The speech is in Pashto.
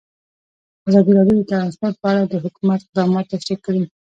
ازادي راډیو د ترانسپورټ په اړه د حکومت اقدامات تشریح کړي.